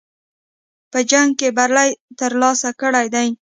په جنګ کې بری ترلاسه کړی دی.